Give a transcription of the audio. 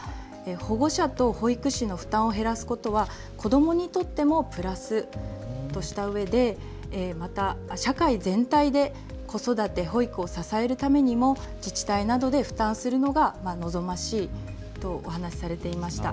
保護者と保育士の負担を減らすことは子どもにとってもプラスとしたうえでまた、社会全体で子育て、保育を支えるためにも自治体などで負担するのが望ましいと話されていました。